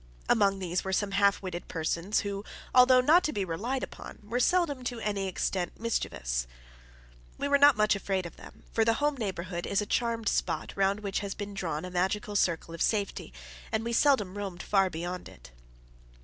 Among these were some half witted persons, who, although not to be relied upon, were seldom to any extent mischievous. We were not much afraid of them, for the home neighbourhood is a charmed spot round which has been drawn a magic circle of safety, and we seldom roamed far beyond it.